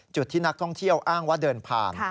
จุดที่นักท่องเที่ยวอ้างว่าเดินผ่าน